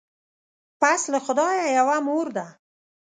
پس له خدایه یوه مور ده